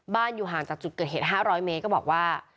อยู่ห่างจากจุดเกิดเหตุ๕๐๐เมตรก็บอกว่า